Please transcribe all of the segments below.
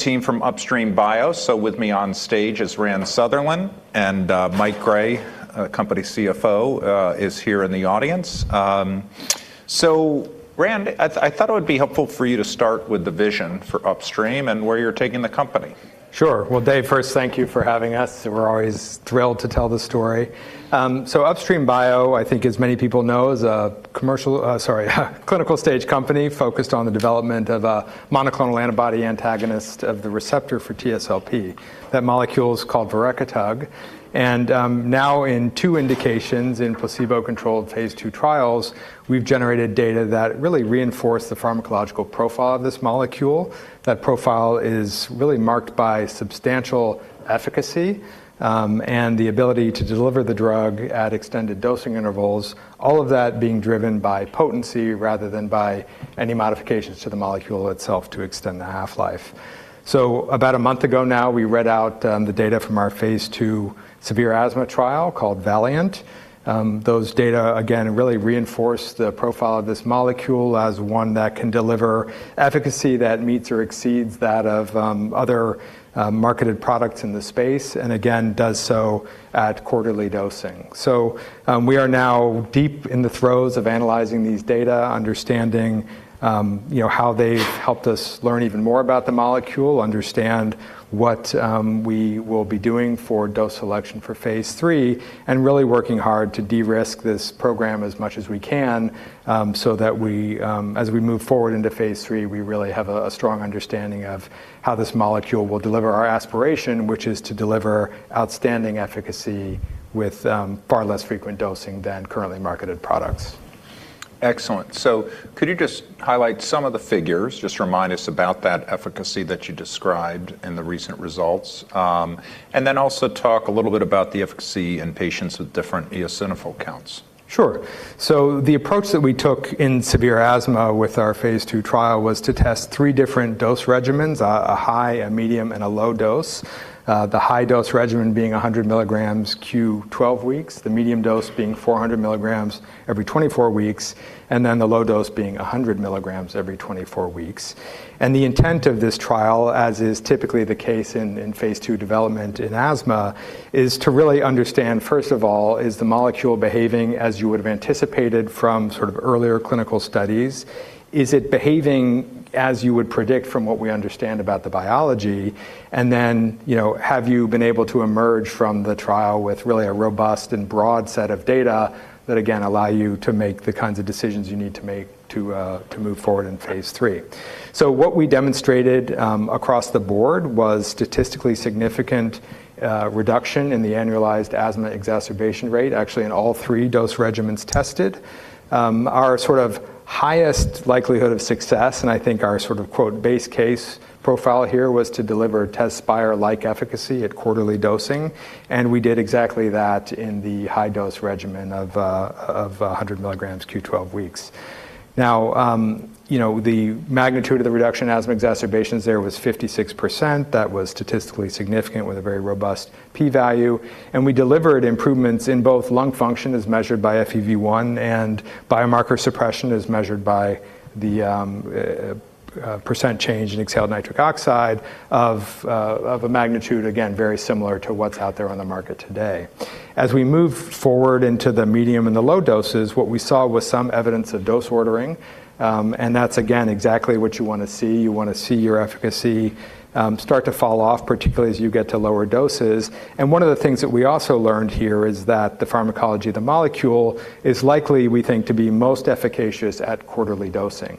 Team from Upstream Bio. With me on stage is Rand Sutherland, and Mike Gray, Company CFO, is here in the audience. Rand, I thought it would be helpful for you to start with the vision for Upstream and where you're taking the company. Sure. Well, Dave, first thank you for having us. We're always thrilled to tell the story. Upstream Bio, I think as many people know, is a clinical stage company focused on the development of a monoclonal antibody antagonist of the receptor for TSLP. That molecule is called verekitug. Now in two indications in placebo-controlled phase II trials, we've generated data that really reinforce the pharmacological profile of this molecule. That profile is really marked by substantial efficacy and the ability to deliver the drug at extended dosing intervals, all of that being driven by potency rather than by any modifications to the molecule itself to extend the half-life. About a month ago now, we read out the data from our phase II severe asthma trial called VALIANT. Those data again, really reinforce the profile of this molecule as one that can deliver efficacy that meets or exceeds that of other marketed products in the space, and again, does so at quarterly dosing. We are now deep in the throes of analyzing these data, understanding, you know, how they've helped us learn even more about the molecule, understand what we will be doing for dose selection for phase III, and really working hard to de-risk this program as much as we can, so that we, as we move forward into phase III, we really have a strong understanding of how this molecule will deliver our aspiration, which is to deliver outstanding efficacy with far less frequent dosing than currently marketed products. Excellent. Could you just highlight some of the figures, just remind us about that efficacy that you described in the recent results, and then also talk a little bit about the efficacy in patients with different eosinophil counts? Sure. The approach that we took in severe asthma with our phase II trial was to test three different dose regimens. A high, a medium, and a low dose. The high dose regimen being 100 mg Q12 weeks, the medium dose being 400 mg every 24 weeks, and then the low dose being 100 mg every 24 weeks. The intent of this trial, as is typically the case in phase II development in asthma, is to really understand, first of all, is the molecule behaving as you would have anticipated from sort of earlier clinical studies? Is it behaving as you would predict from what we understand about the biology? You know, have you been able to emerge from the trial with really a robust and broad set of data that again allow you to make the kinds of decisions you need to make to move forward in phase III. What we demonstrated across the board was statistically significant reduction in the annualized asthma exacerbation rate, actually in all three dose regimens tested. Our sort of highest likelihood of success, and I think our sort of, quote, "base case" profile here was to deliver Tezspire-like efficacy at quarterly dosing, and we did exactly that in the high dose regimen of 100 mg Q12 weeks. You know, the magnitude of the reduction in asthma exacerbations there was 56%. That was statistically significant with a very robust P value. We delivered improvements in both lung function as measured by FEV1 and biomarker suppression as measured by the percent change in exhaled nitric oxide of a magnitude, again, very similar to what's out there on the market today. As we move forward into the medium and the low doses, what we saw was some evidence of dose ordering, and that's again, exactly what you wanna see. You wanna see your efficacy, start to fall off, particularly as you get to lower doses. One of the things that we also learned here is that the pharmacology of the molecule is likely, we think, to be most efficacious at quarterly dosing.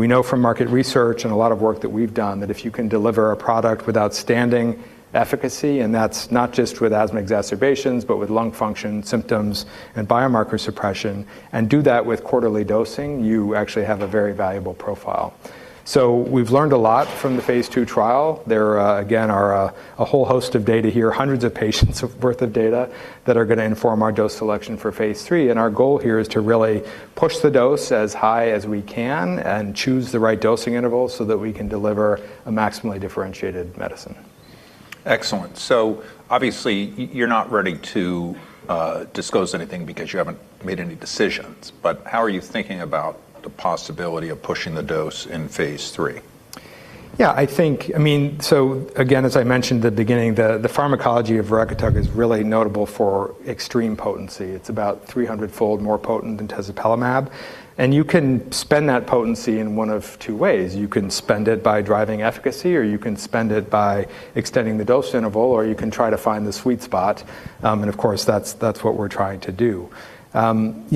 We know from market research and a lot of work that we've done, that if you can deliver a product with outstanding efficacy, and that's not just with asthma exacerbations, but with lung function symptoms and biomarker suppression, and do that with quarterly dosing, you actually have a very valuable profile. We've learned a lot from the phase II trial. There again are a whole host of data here, hundreds of patients of worth of data that are gonna inform our dose selection for phase III. Our goal here is to really push the dose as high as we can and choose the right dosing interval so that we can deliver a maximally differentiated medicine. Excellent. Obviously you're not ready to disclose anything because you haven't made any decisions. How are you thinking about the possibility of pushing the dose in phase III? Yeah. I think... I mean, again, as I mentioned at the beginning, the pharmacology of verekitug is really notable for extreme potency. It's about 300 fold more potent than tezepelumab. You can spend that potency in one of two ways. You can spend it by driving efficacy, or you can spend it by extending the dose interval, or you can try to find the sweet spot. Of course, that's what we're trying to do. You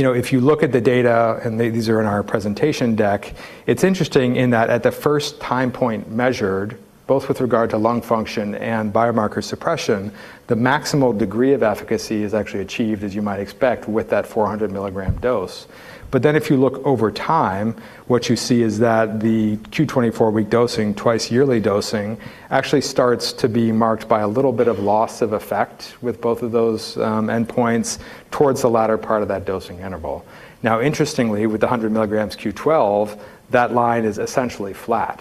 know, if you look at the data, these are in our presentation deck, it's interesting in that at the first time point measured, both with regard to lung function and biomarker suppression, the maximal degree of efficacy is actually achieved, as you might expect, with that 400 mg dose. If you look over time, what you see is that the Q24 week dosing, twice-yearly dosing, actually starts to be marked by a little bit of loss of effect with both of those endpoints towards the latter part of that dosing interval. Interestingly, with the 100 mg Q12, that line is essentially flat.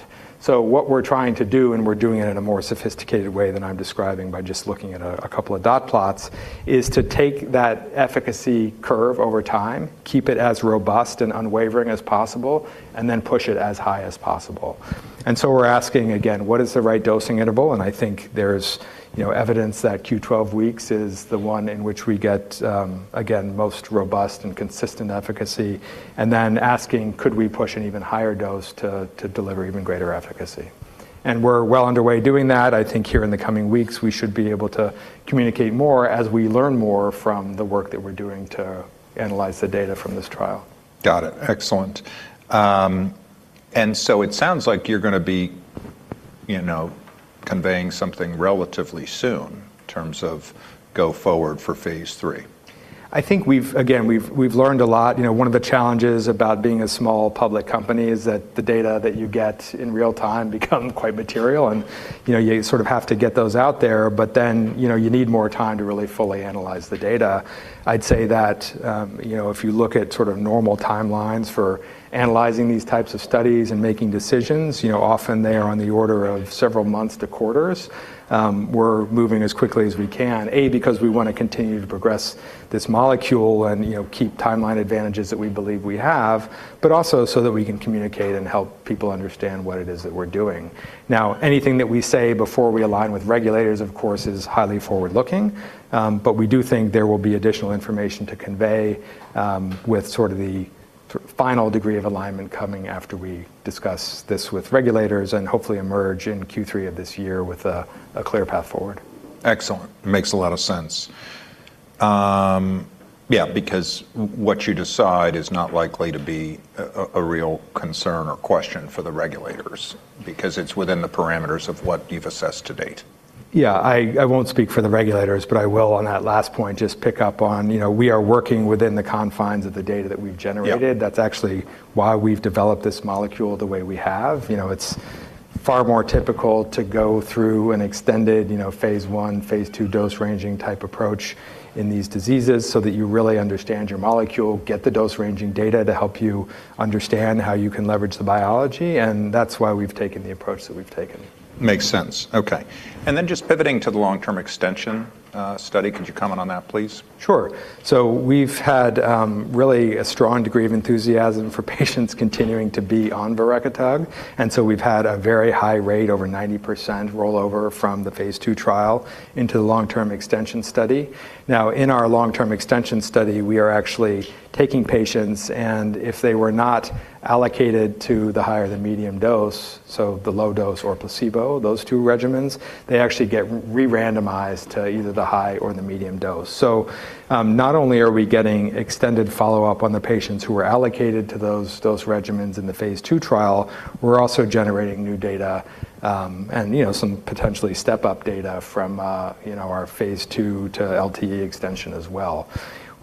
What we're trying to do, and we're doing it in a more sophisticated way than I'm describing by just looking at a couple of dot plots, is to take that efficacy curve over time, keep it as robust and unwavering as possible, and then push it as high as possible. We're asking again, what is the right dosing interval? I think there's, you know, evidence that Q12 weeks is the one in which we get, again, most robust and consistent efficacy, and then asking, could we push an even higher dose to deliver even greater efficacy? We're well underway doing that. I think here in the coming weeks, we should be able to communicate more as we learn more from the work that we're doing to analyze the data from this trial. Got it. Excellent. It sounds like you're gonna be, you know, conveying something relatively soon in terms of go forward for phase III. I think we've again, we've learned a lot. You know, one of the challenges about being a small public company is that the data that you get in real time become quite material, and, you know, you sort of have to get those out there. You know, you need more time to really fully analyze the data. I'd say that, you know, if you look at sort of normal timelines for analyzing these types of studies and making decisions, you know, often they are on the order of several months to quarters. We're moving as quickly as we can. A, because we wanna continue to progress this molecule and, you know, keep timeline advantages that we believe we have, but also so that we can communicate and help people understand what it is that we're doing. Anything that we say before we align with regulators, of course, is highly forward-looking. We do think there will be additional information to convey with sort of the final degree of alignment coming after we discuss this with regulators and hopefully emerge in Q3 of this year with a clear path forward. Excellent. Makes a lot of sense. Yeah, because what you decide is not likely to be a, a real concern or question for the regulators because it's within the parameters of what you've assessed to date. Yeah. I won't speak for the regulators, but I will, on that last point, just pick up on, you know, we are working within the confines of the data that we've generated. Yep. That's actually why we've developed this molecule the way we have. You know, it's far more typical to go through an extended, you know, phase I, phase II dose-ranging type approach in these diseases so that you really understand your molecule, get the dose-ranging data to help you understand how you can leverage the biology, and that's why we've taken the approach that we've taken. Makes sense. Okay. Then just pivoting to the long-term extension study. Could you comment on that, please? Sure. We've had really a strong degree of enthusiasm for patients continuing to be on verekitug, and so we've had a very high rate, over 90%, roll over from the phase II trial into the long-term extension study. Now, in our long-term extension study, we are actually taking patients, and if they were not allocated to the higher than medium dose, so the low dose or placebo, those two regimens, they actually get re-randomized to either the high or the medium dose. Not only are we getting extended follow-up on the patients who were allocated to those regimens in the phase II trial, we're also generating new data, and, you know, some potentially step-up data from, you know, our phase II to LTE extension as well.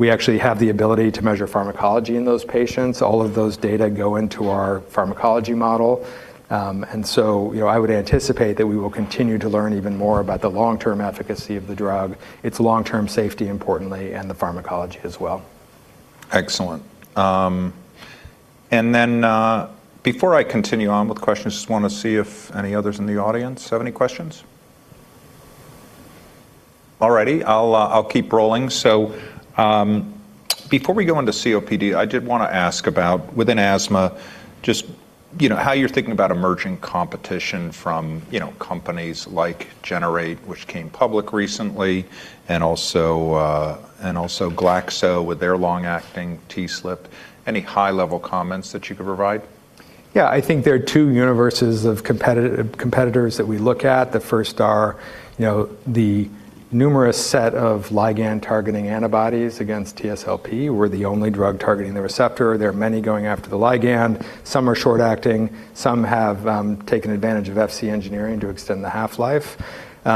We actually have the ability to measure pharmacology in those patients. All of those data go into our pharmacology model. You know, I would anticipate that we will continue to learn even more about the long-term efficacy of the drug, its long-term safety, importantly, and the pharmacology as well. Excellent. Before I continue on with questions, just wanna see if any others in the audience have any questions. All righty. I'll keep rolling. Before we go into COPD, I did wanna ask about, within asthma, just, you know, how you're thinking about emerging competition from, you know, companies like Generate, which came public recently, and also Glaxo with their long-acting TSLP. Any high-level comments that you could provide? I think there are two universes of competitors that we look at. The first are, you know, the numerous set of ligand-targeting antibodies against TSLP. We're the only drug targeting the receptor. There are many going after the ligand. Some are short-acting. Some have taken advantage of Fc engineering to extend the half-life. There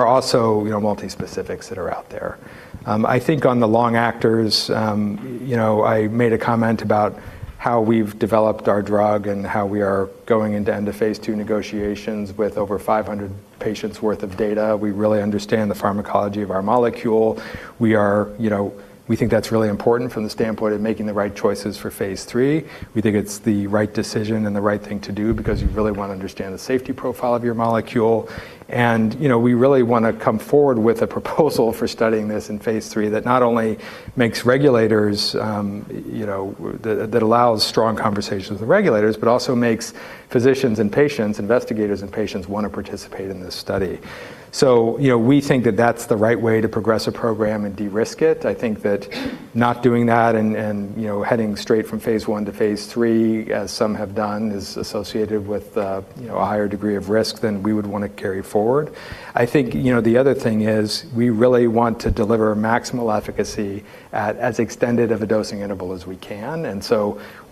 are also, you know, multi-specifics that are out there. I think on the long actors, you know, I made a comment about how we've developed our drug and how we are going into end-of-phase II negotiations with over 500 patients' worth of data. We really understand the pharmacology of our molecule. We think that's really important from the standpoint of making the right choices for phase III. We think it's the right decision and the right thing to do because you really wanna understand the safety profile of your molecule. You know, we really wanna come forward with a proposal for studying this in phase III that not only makes regulators, you know, that allows strong conversations with regulators, but also makes physicians and patients, investigators and patients, wanna participate in this study. You know, we think that that's the right way to progress a program and de-risk it. I think that not doing that and, you know, heading straight from phase I to phase III, as some have done, is associated with, you know, a higher degree of risk than we would wanna carry forward. I think, you know, the other thing is we really want to deliver maximal efficacy at as extended of a dosing interval as we can.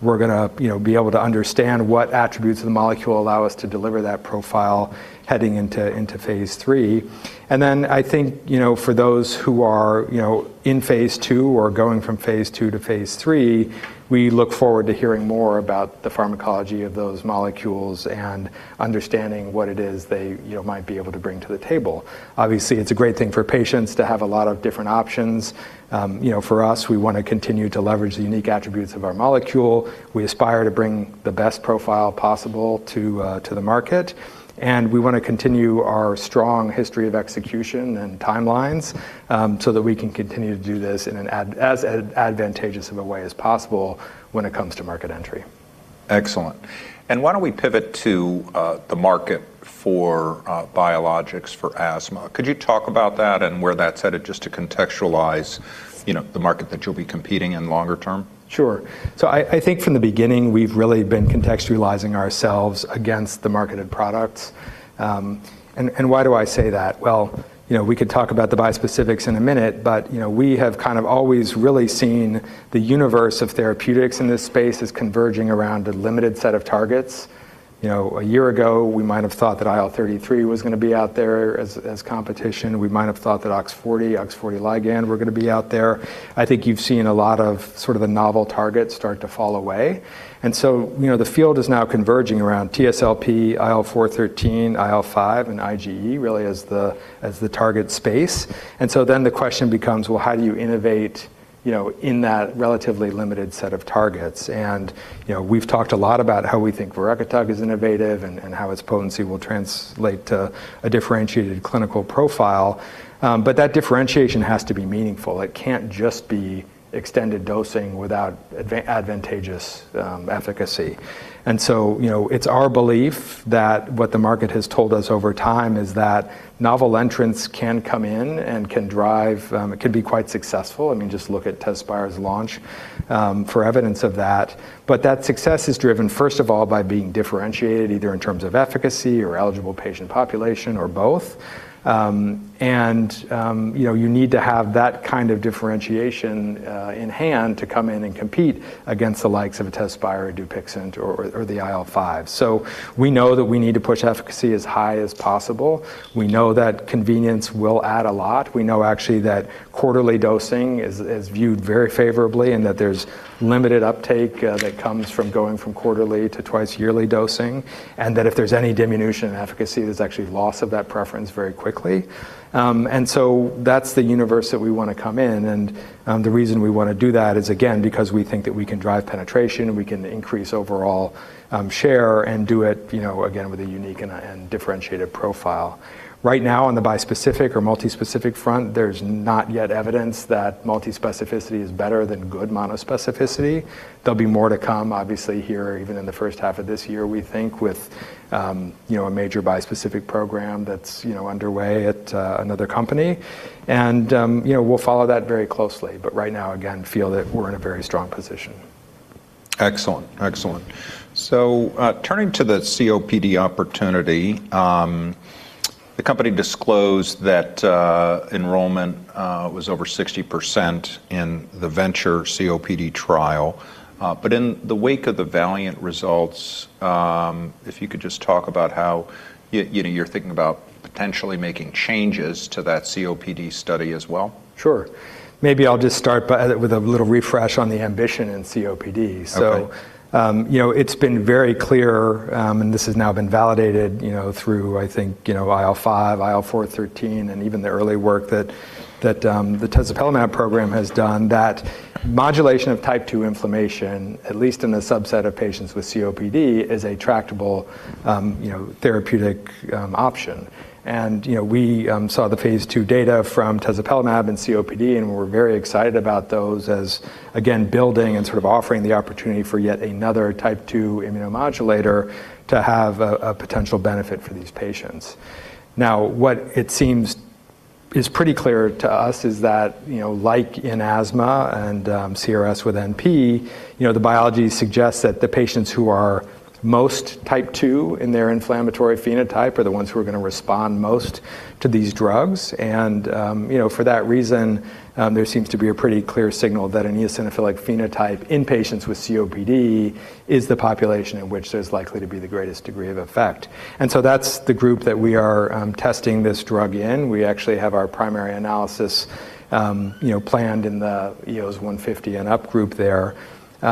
We're gonna, you know, be able to understand what attributes of the molecule allow us to deliver that profile heading into phase III. I think, you know, for those who are, you know, in phase II or going from phase II to phase III, we look forward to hearing more about the pharmacology of those molecules and understanding what it is they, you know, might be able to bring to the table. It's a great thing for patients to have a lot of different options. You know, for us, we wanna continue to leverage the unique attributes of our molecule. We aspire to bring the best profile possible to the market, and we wanna continue our strong history of execution and timelines, so that we can continue to do this in an as advantageous of a way as possible when it comes to market entry. Excellent. Why don't we pivot to the market for biologics for asthma? Could you talk about that and where that's headed just to contextualize, you know, the market that you'll be competing in longer term? Sure. I think from the beginning, we've really been contextualizing ourselves against the marketed products. And why do I say that? Well, you know, we could talk about the bispecifics in a minute, but, you know, we have kind of always really seen the universe of therapeutics in this space as converging around a limited set of targets. You know, a year ago, we might have thought that IL-33 was gonna be out there as competition. We might have thought that OX40 ligand were gonna be out there. I think you've seen a lot of sort of the novel targets start to fall away. You know, the field is now converging around TSLP, IL-4, IL-13, IL-5, and IgE really as the target space. The question becomes, well, how do you innovate, you know, in that relatively limited set of targets? you know, we've talked a lot about how we think verekitug is innovative and how its potency will translate to a differentiated clinical profile. But that differentiation has to be meaningful. It can't just be extended dosing without advantageous efficacy. you know, it's our belief that what the market has told us over time is that novel entrants can come in and can drive, it could be quite successful. I mean, just look at Tezspire's launch for evidence of that. That success is driven, first of all, by being differentiated, either in terms of efficacy or eligible patient population or both. You know, you need to have that kind of differentiation in hand to come in and compete against the likes of a Tezspire or Dupixent or the IL-5. We know that we need to push efficacy as high as possible. We know convenience will add a lot. We know actually that quarterly dosing is viewed very favorably, and that there's limited uptake that comes from going from quarterly to twice-yearly dosing, and that if there's any diminution in efficacy, there's actually loss of that preference very quickly. That's the universe that we wanna come in, and the reason we wanna do that is, again, because we think that we can drive penetration, we can increase overall share and do it, you know, again, with a unique and differentiated profile. Right now in the bispecific or multispecific front, there's not yet evidence that multispecificity is better than good monospecificity. There'll be more to come, obviously, here even in the first half of this year, we think, with, you know, a major bispecific program that's, you know, underway at another company. you know, we'll follow that very closely, but right now, again, feel that we're in a very strong position. Excellent. Excellent. Turning to the COPD opportunity, the company disclosed that enrollment was over 60% in the VENTURE COPD trial. In the wake of the VALIANT results, if you could just talk about how you know, you're thinking about potentially making changes to that COPD study as well. Sure. Maybe I'll just start with a little refresh on the ambition in COPD. Okay. You know, it's been very clear, and this has now been validated, you know, through, I think, you know, IL-5, IL-4, IL-13, and even the early work that the tezepelumab program has done, that modulation of Type 2 inflammation, at least in the subset of patients with COPD, is a tractable, therapeutic option. You know, we saw the phase II data from tezepelumab in COPD, and we're very excited about those as, again, building and sort of offering the opportunity for yet another Type 2 immunomodulator to have a potential benefit for these patients. What it seems is pretty clear to us is that, you know, like in asthma and, CRS with NP, you know, the biology suggests that the patients who are most Type 2 in their inflammatory phenotype are the ones who are gonna respond most to these drugs. For that reason, there seems to be a pretty clear signal that an eosinophilic phenotype in patients with COPD is the population in which there's likely to be the greatest degree of effect. That's the group that we are testing this drug in. We actually have our primary analysis, you know, planned in the eos 150 and up group there. You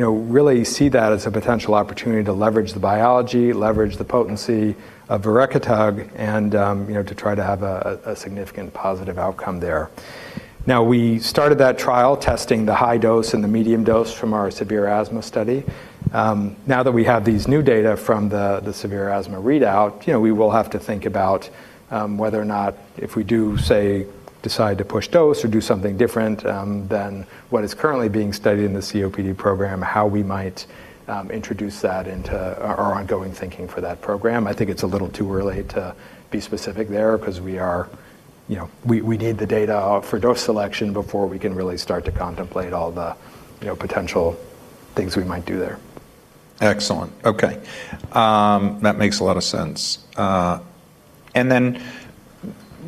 know, really see that as a potential opportunity to leverage the biology, leverage the potency of verekitug, and, you know, to try to have a significant positive outcome there. Now, we started that trial testing the high dose and the medium dose from our severe asthma study. Now that we have these new data from the severe asthma readout, you know, we will have to think about whether or not if we do, say, decide to push dose or do something different than what is currently being studied in the COPD program, how we might introduce that into our ongoing thinking for that program. I think it's a little too early to be specific there 'cause we are, you know, we need the data for dose selection before we can really start to contemplate all the, you know, potential things we might do there. Excellent. Okay. That makes a lot of sense.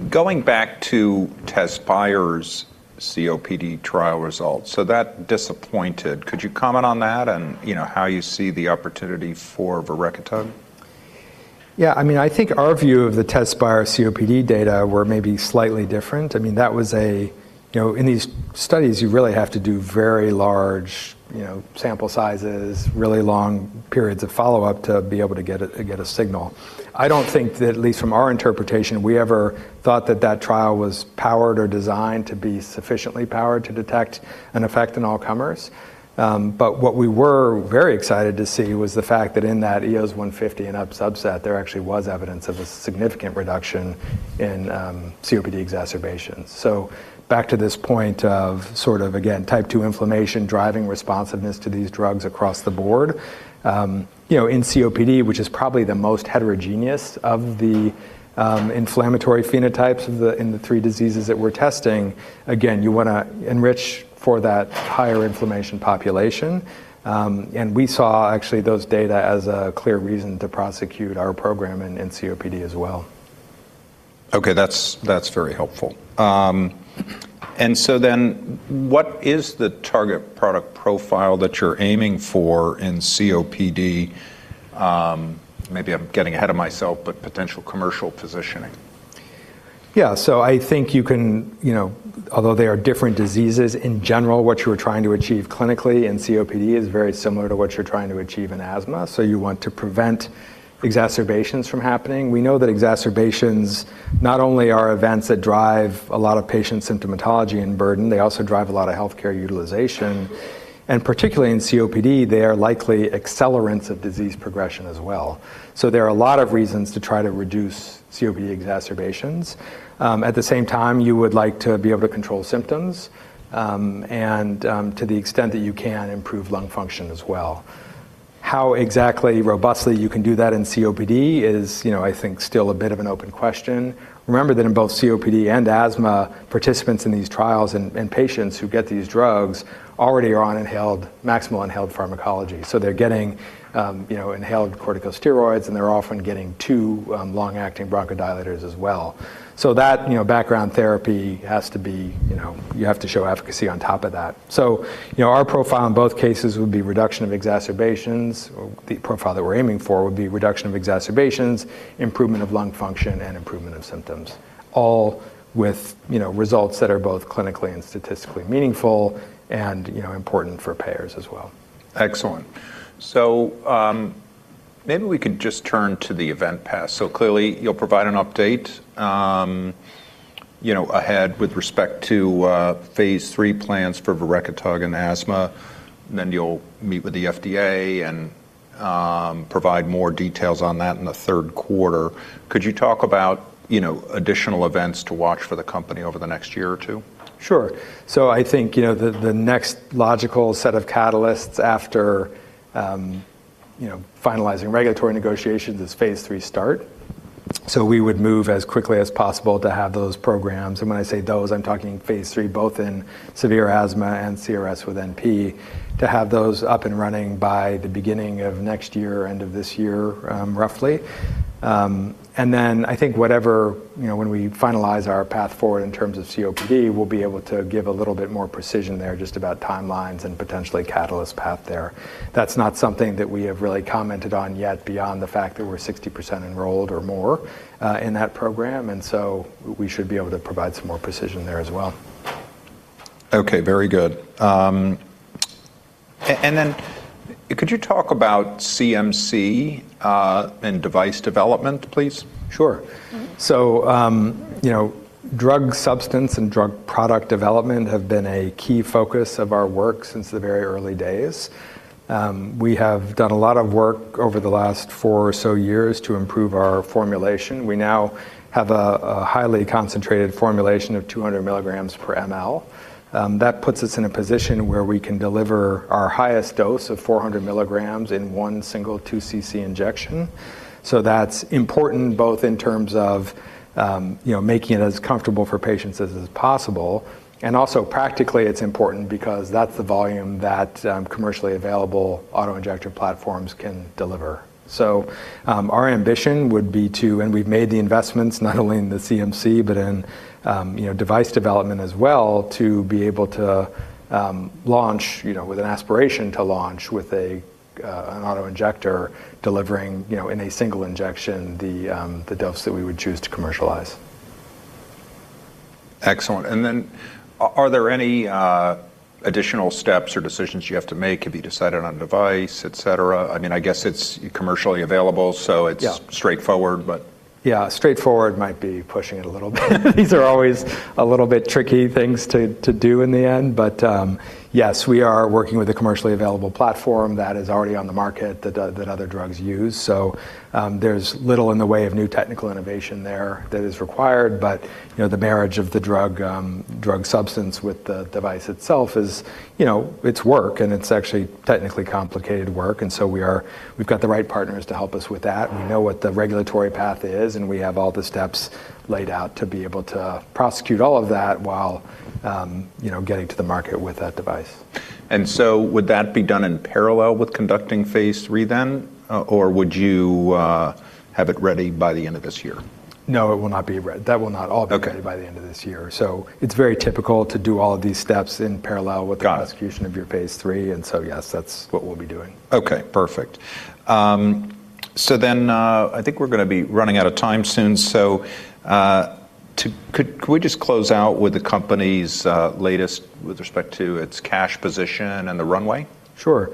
Going back to Tezspire's COPD trial results, so that disappointed. Could you comment on that and, you know, how you see the opportunity for verekitug? Yeah. I mean, I think our view of the Tezspire COPD data were maybe slightly different. I mean, that was a, you know, in these studies, you really have to do very large, you know, sample sizes, really long periods of follow-up to be able to get a signal. I don't think that, at least from our interpretation, we ever thought that that trial was powered or designed to be sufficiently powered to detect an effect in all comers. But what we were very excited to see was the fact that in that eos 150 and up subset, there actually was evidence of a significant reduction in COPD exacerbations. Back to this point of sort of, again, Type 2 inflammation driving responsiveness to these drugs across the board. You know, in COPD, which is probably the most heterogeneous of the inflammatory phenotypes of the, in the three diseases that we're testing, again, you wanna enrich for that higher inflammation population. We saw actually those data as a clear reason to prosecute our program in COPD as well. Okay, that's very helpful. What is the target product profile that you're aiming for in COPD? Maybe I'm getting ahead of myself, but potential commercial positioning. Yeah. I think you can, you know, although they are different diseases, in general, what you are trying to achieve clinically in COPD is very similar to what you're trying to achieve in asthma. You want to prevent exacerbations from happening. We know that exacerbations not only are events that drive a lot of patient symptomatology and burden, they also drive a lot of healthcare utilization, and particularly in COPD, they are likely accelerants of disease progression as well. There are a lot of reasons to try to reduce COPD exacerbations. At the same time, you would like to be able to control symptoms, and to the extent that you can, improve lung function as well. How exactly robustly you can do that in COPD is, you know, I think still a bit of an open question. Remember that in both COPD and asthma, participants in these trials and patients who get these drugs already are on inhaled, maximal inhaled pharmacology. They're getting, you know, inhaled corticosteroids, and they're often getting 2 long-acting bronchodilators as well. That, you know, background therapy has to be. You have to show efficacy on top of that. You know, our profile in both cases would be reduction of exacerbations. The profile that we're aiming for would be reduction of exacerbations, improvement of lung function, and improvement of symptoms, all with, you know, results that are both clinically and statistically meaningful and, you know, important for payers as well. Excellent. Maybe we could just turn to the event path. Clearly you'll provide an update, you know, ahead with respect to phase III plans for verekitug in asthma, and then you'll meet with the FDA and provide more details on that in the third quarter. Could you talk about, you know, additional events to watch for the company over the next year or two? Sure. I think, you know, the next logical set of catalysts after, you know, finalizing regulatory negotiations is phase III start. We would move as quickly as possible to have those programs, and when I say those, I'm talking phase III, both in severe asthma and CRSwNP, to have those up and running by the beginning of next year, end of this year, roughly. I think whatever, you know, when we finalize our path forward in terms of COPD, we'll be able to give a little bit more precision there, just about timelines and potentially catalyst path there. That's not something that we have really commented on yet beyond the fact that we're 60% enrolled or more in that program, and so we should be able to provide some more precision there as well. Okay. Very good. Could you talk about CMC, and device development, please? Sure. You know, drug substance and drug product development have been a key focus of our work since the very early days. We have done a lot of work over the last four or so years to improve our formulation. We now have a highly concentrated formulation of 200 mg/mL. That puts us in a position where we can deliver our highest dose of 400 mg in 1 single 2 cc injection. That's important both in terms of, you know, making it as comfortable for patients as is possible, and also practically it's important because that's the volume that commercially available autoinjector platforms can deliver. Our ambition would be to, and we've made the investments not only in the CMC but in, you know, device development as well, to be able to, launch, you know, with an aspiration to launch with a, an autoinjector delivering, you know, in a single injection the dose that we would choose to commercialize. Excellent. Are there any additional steps or decisions you have to make? Have you decided on device, et cetera? I mean, I guess it's commercially available, so it's... Yeah... straightforward, but... Straightforward might be pushing it a little bit. These are always a little bit tricky things to do in the end, but, yes, we are working with a commercially available platform that is already on the market that other drugs use. There's little in the way of new technical innovation there that is required but, you know, the marriage of the drug substance with the device itself is, you know, it's work, and it's actually technically complicated work. We've got the right partners to help us with that. We know what the regulatory path is, and we have all the steps laid out to be able to prosecute all of that while, you know, getting to the market with that device. Would that be done in parallel with conducting phase III then, or would you have it ready by the end of this year? No, it will not be. That will not all- Okay... be ready by the end of this year. It's very typical to do all of these steps in parallel with- Got it.... the prosecution of your phase III. Yes, that's what we'll be doing. Okay. Perfect. I think we're gonna be running out of time soon. Could we just close out with the company's latest with respect to its cash position and the runway? Sure.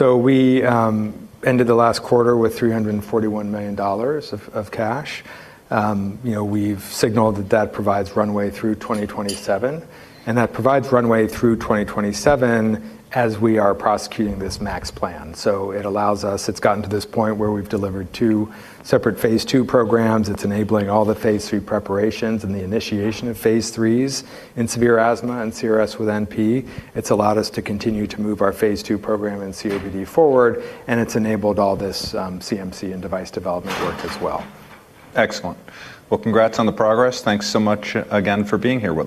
We ended the last quarter with $341 million of cash. You know, we've signaled that that provides runway through 2027. That provides runway through 2027 as we are prosecuting this Max plan. It allows us. It's gotten to this point where we've delivered two separate phase II programs. It's enabling all the phase III preparations and the initiation of phase IIIs in severe asthma and CRSwNP. It's allowed us to continue to move our phase II program in COPD forward. It's enabled all this CMC and device development work as well. Excellent. Well, congrats on the progress. Thanks so much again for being here with us.